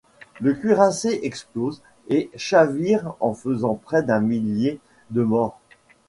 Le cuirassé explose et chavire en faisant près d'un millier de morts.